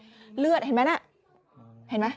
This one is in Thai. เป็นเลือดเห็นไหมนะเนี่ย